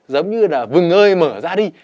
giống như là vừng ơi mở ra đi